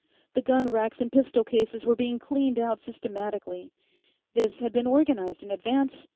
The gun racks and pistol cases were being cleaned out systematically. This had been organized in advance.